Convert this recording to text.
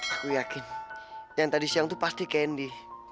aku yakin yang tadi siang tuh pasti candy